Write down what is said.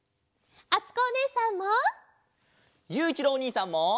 あつこおねえさんも！